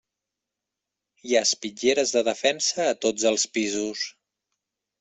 Hi ha espitlleres de defensa a tots els pisos.